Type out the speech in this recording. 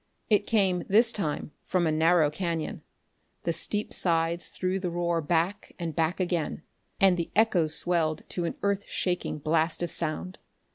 It came, this time, from a narrow cañon. The steep sides threw the roar back and back again, and the echoes swelled to an earth shaking blast of sound.